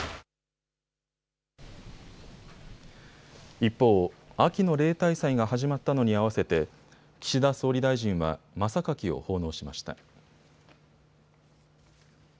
一方、秋の例大祭が始まったのに合わせて岸田総理大臣は真榊を奉納しました。